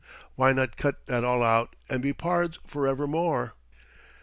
Why not cut that all out and be pards forever more?"